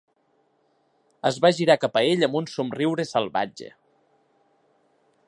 Es va girar cap a ell amb un somriure salvatge.